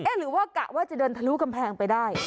หรือว่ากะว่าจะเดินทะลุกำแพงไปได้